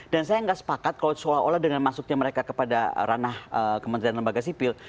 dan saya gak sepakat kalau seolah olah dengan masuknya mereka kepada ranah kementerian lembaga sipil